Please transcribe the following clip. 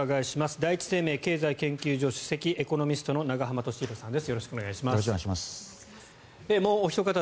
第一生命経済研究所首席エコノミストの永濱利廣さんです。